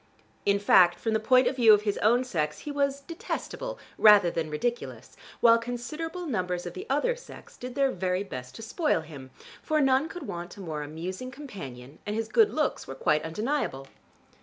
In fact, from the point of view of his own sex, he was detestable rather than ridiculous, while considerable numbers of the other sex did their very best to spoil him, for none could want a more amusing companion, and his good looks were quite undeniable.